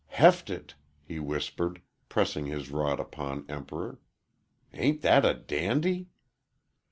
"Heft it," he whispered, pressing his rod upon the Emperor. "Ain't that a dandy?"